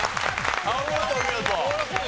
お見事お見事！